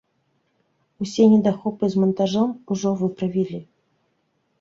Усе недахопы з мантажом ужо выправілі.